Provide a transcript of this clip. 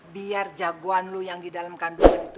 biar jagoan lu yang di dalam kandungan itu